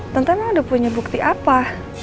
tante emang udah punya bukti apa